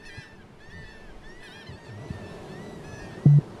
Allí asistió a la Escuela Primaria Clifton.